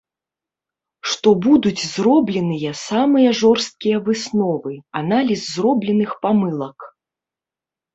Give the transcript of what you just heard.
Што будуць зробленыя самыя жорсткія высновы, аналіз зробленых памылак.